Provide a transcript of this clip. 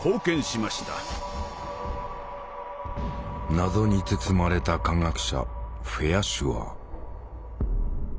謎に包まれた科学者フェアシュアー。